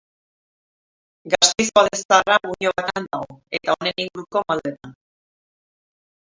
Gasteizko Alde Zaharra muino batean dago, eta honen inguruko maldetan.